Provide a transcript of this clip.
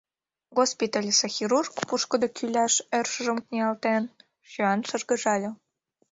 Госпитальысе хирург, пушкыдо кӱляш ӧршыжым ниялтен, чоян шыргыжале: